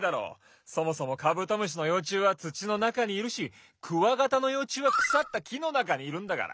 そもそもカブトムシのようちゅうはつちのなかにいるしクワガタのようちゅうはくさったきのなかにいるんだから。